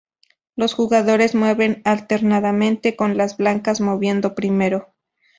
Los jugadores mueven alternadamente con las blancas moviendo primero.